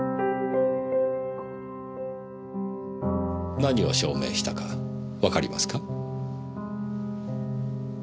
何を証明したかわかりますか？